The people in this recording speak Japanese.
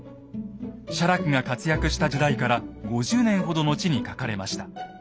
写楽が活躍した時代から５０年ほど後に書かれました。